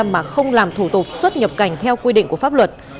mà không làm thủ tục xuất nhập cảnh theo quy định của pháp luật